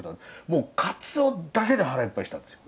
もうかつおだけで腹いっぱいにしたんですよ。